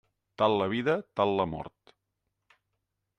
Tal la vida, tal la mort.